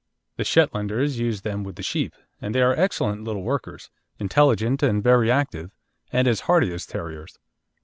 The Shetlanders use them with the sheep, and they are excellent little workers, intelligent and very active, and as hardy as terriers.